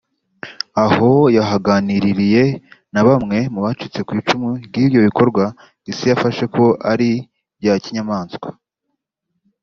Aho yahaganiririye na bamwe mu bacitse ku icumu ry’ibyo bikorwa Isi yafashe ko ari ibya kinyamaswa